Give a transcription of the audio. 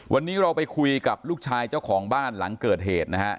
วันนี้เราไปคุยกับลูกชายเจ้าของบ้านหลังเกิดเหตุนะฮะ